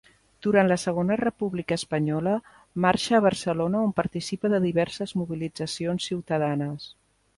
Durant la Segona República espanyola marxa a Barcelona on participa de diverses mobilitzacions ciutadanes.